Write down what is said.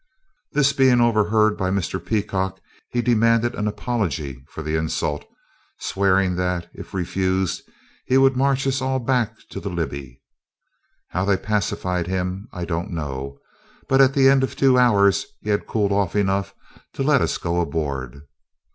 This being overheard by Mr. Peacock, he demanded an apology for the insult, swearing that, if refused, he would march us all back to the Libby. How they pacified him I don't know, but at the end of two hours he had cooled off enough to let us go aboard.